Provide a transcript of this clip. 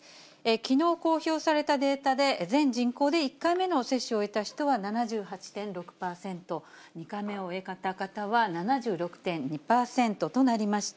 きのう公表されたデータで、全人口で１回目の接種を終えた人は７８．６％、２回目を終えた方は７６．２％となりました。